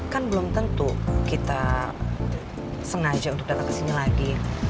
kan belum tentu kita sengaja untuk datang ke sini lagi